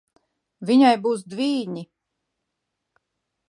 Viņai būs dvīņi.